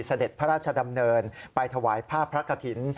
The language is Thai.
เสด็จพระราชดำเนินไปถวายผ้าพระกฐิน